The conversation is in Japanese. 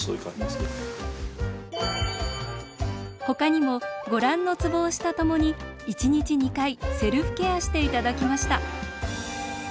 ほかにもご覧のツボを押すとともに１日２回セルフケアして頂きました。